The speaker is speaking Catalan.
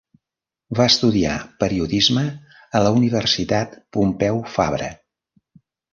Va estudiar Periodisme a la Universitat Pompeu Fabra.